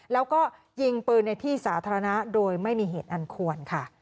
แล้วก็ยิงปืนในที่สาธารณะโดยไม่มีเหตุอันควรค่ะ